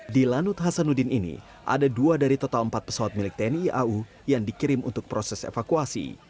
di lanut hasanuddin ini ada dua dari total empat pesawat milik tni au yang dikirim untuk proses evakuasi